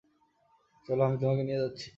চলো, আমি তোমাকে নিয়ে যাচ্ছি।